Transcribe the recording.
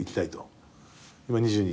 今２２？